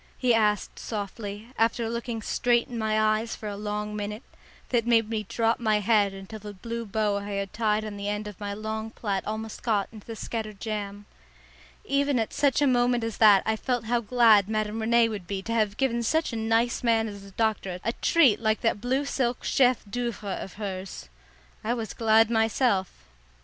he asked softly, after looking straight in my eyes for a long minute, that made me drop my head until the blue bow I had tied on the end of my long plait almost got into the scattered jam. Even at such a moment as that I felt how glad Madame Rene would have been to have given such a nice man as the doctor a treat like that blue silk chef d'oeuvre of hers. I was glad myself.